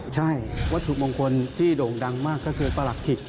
ใช่วัตถุมงคลที่โด่งดังมากก็คือประหลักถิก